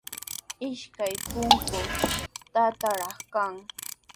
Ishkay pukyumi trakraatraw kan.